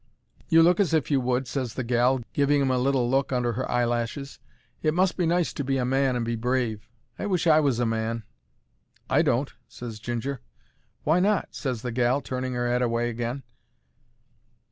"You look as if you would," ses the gal, giving 'im a little look under 'er eyelashes. "It must be nice to be a man and be brave. I wish I was a man." "I don't," ses Ginger. "Why not?" ses the gal, turning her 'ead away agin.